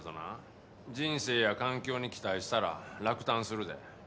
人生や環境に期待したら落胆するで。